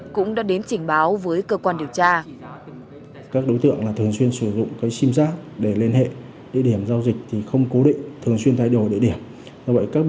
cũng đã đến trình báo với cơ quan điều tra